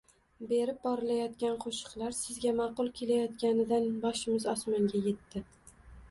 Berib borilayotgan qoʻshiqlar sizga maʼqul kelayotganidan boshimiz osmonga yetdi.